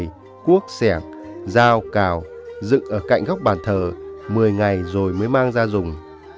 người mông dán giấy cuốc xẻng dao cào dựng ở cạnh góc bàn thờ một mươi ngày rồi mới mang ra dùng